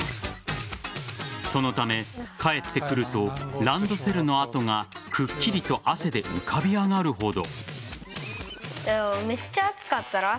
そのため、帰ってくるとランドセルの跡がくっきりと汗で浮かび上がるほど。